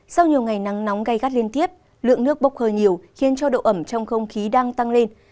sau nhiều ngày nắng nóng gây gắt liên tiếp lượng nước bốc hơi nhiều khiến cho độ ẩm trong không khí đang tăng lên